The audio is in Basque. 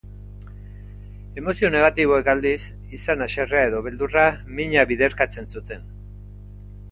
Emozio negatiboak, aldiz, izan haserrea edo beldurra, mina biderkatzen zuten.